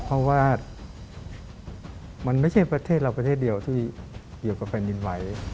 เพราะว่ามันไม่ใช่ประเทศเราประเทศเดียวที่เกี่ยวกับแผ่นดินไหว